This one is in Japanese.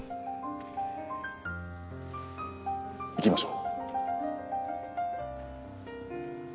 行きましょう。